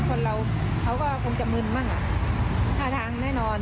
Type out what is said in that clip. คนเราเขาก็คงจะมึนบ้างอ่ะท่าทางแน่นอน